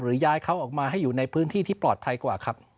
ย้ายเขาออกมาให้อยู่ในพื้นที่ที่ปลอดภัยกว่าครับ